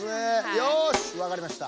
よしわかりました。